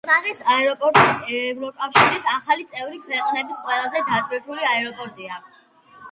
პრაღის აეროპორტი ევროკავშირის ახალი წევრი ქვეყნების ყველაზე დატვირთული აეროპორტია.